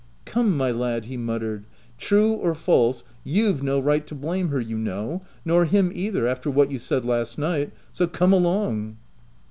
" Come, my lad/' he muttered ;" true or false, you've no right to blame her, you know — nor him either; after what you said last night. So come along.'